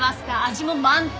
味も満点！